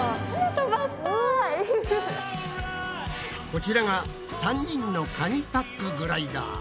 こちらが３人の紙パックグライダー。